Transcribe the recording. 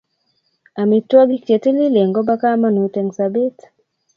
amitwagik chetililen kobokamangut eng sabet